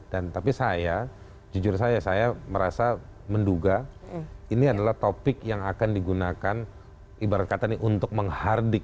dan tapi saya jujur saya merasa menduga ini adalah topik yang akan digunakan ibarat kata ini untuk menghardik